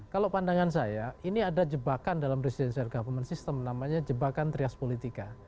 kalau pandangan saya ini ada jebakan dalam presidential government system namanya jebakan trias politika